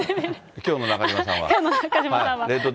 きょうの中島さんは。